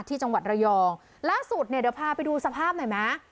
ที่จังหวัดระยองล่าสุดเนี่ยเดี๋ยวพาไปดูสภาพหน่อยไหม